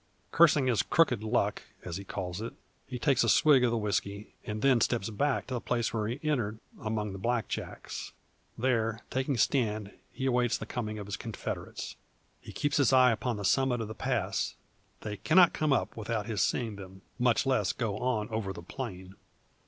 Cursing his crooked luck, as he calls it, he takes a swig of the whisky, and then steps back to the place where he entered among the black jacks. There taking stand, he awaits the coming of his confederates. He keeps his eyes upon the summit of the pass. They cannot come up without his seeing them, much less go on over the plain.